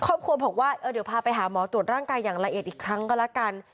ครอบครัวบอกว่าเดี๋ยวพาไปหาหมอตรวจร่างกายอย่างละเอียดอีกครั้งก็แล้วกัน